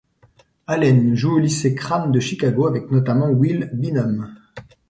Allen joue au lycée Crane de Chicago avec notamment Will Bynum.